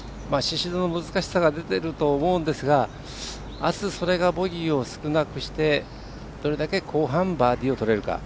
宍戸の難しさが出てると思うんですがあす、それがボギーを少なくしてどれだけ後半バーディーをとれるか。